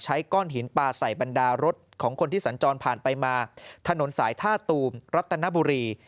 ก้อนหินปลาใส่บรรดารถของคนที่สัญจรผ่านไปมาถนนสายท่าตูมรัตนบุรี